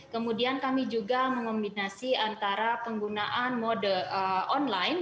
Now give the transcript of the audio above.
kemudian kami juga mengombinasi antara penggunaan mode online